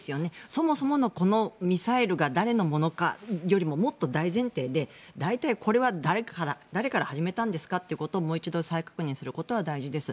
そもそものこのミサイルが誰のものかよりももっと大前提で、大体これは誰から始めたんですかということをもう一度再確認することは大事です。